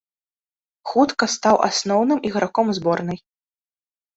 Хутка стаў асноўным іграком зборнай.